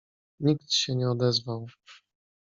Nikt się nie odezwał.